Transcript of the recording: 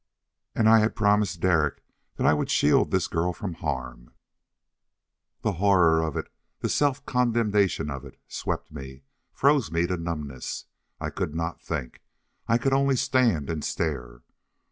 And I had promised Derek that I would shield this girl from harm! The horror of it the self condemnation of it swept me, froze me to numbness. I could not think; I could only stand and stare.